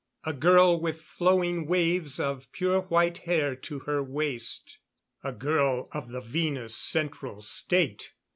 A girl with flowing waves of pure white hair to her waist a girl of the Venus Central State.